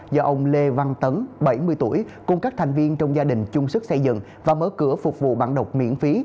do ông lê văn tấn bảy mươi tuổi cùng các thành viên trong gia đình chung sức xây dựng và mở cửa phục vụ bạn đọc miễn phí